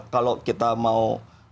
kalau kita mau